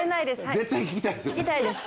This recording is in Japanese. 絶対聞きたいですよね。